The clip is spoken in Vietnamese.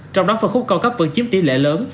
trong đó phân khúc cao cấp vẫn chiếm tỷ lệ lớn